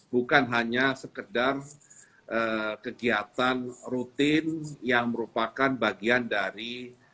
bukan hanya sekedar kegiatan rutin yang merupakan bagian dari